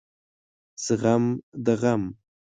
زغم د غم